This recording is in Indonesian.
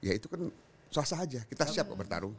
ya itu kan susah susah aja kita siap bertarung